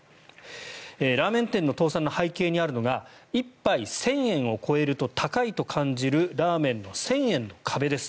ラーメン屋の倒産の背景にあるのが１杯１０００円を超えると高いと感じるラーメンの１０００円の壁です。